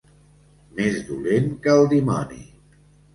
Més dolent que el dimoni.